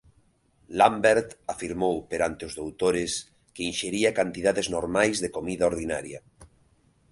Lambert afirmou perante os doutores que inxería cantidades normais de comida ordinaria.